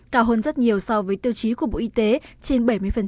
cao hơn rất nhiều so với tiêu chí của bộ y tế trên bảy mươi